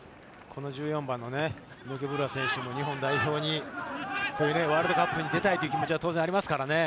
１４番のイノケ・ブルア選手も日本代表にワールドカップに出たいという気持ちが当然ありますからね。